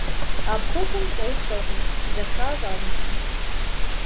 Апхуэдэм щӏэупщӏэркъым, зэхащӏэ армыхъум.